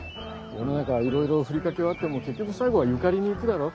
世の中いろいろふりかけはあっても結局最後は「ゆかり」にいくだろ。